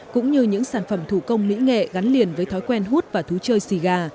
cũng như những sản phẩm thủ công mỹ nghệ gắn liền với thói quen hút và thú chơi siga